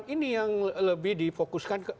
ini yang lebih difokuskan